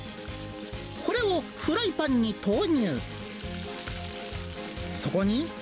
これをフライパンに投入。